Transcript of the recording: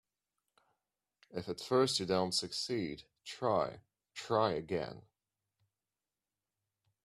If at first you don't succeed, try, try again.